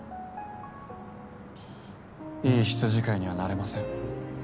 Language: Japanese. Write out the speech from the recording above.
いい羊飼いにはなれません。